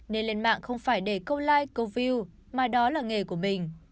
nên lên mạng không phải để câu like câu view mà đó là nghề của mình